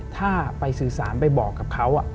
ถ้าไปสื่อสารไปบอกกับเขา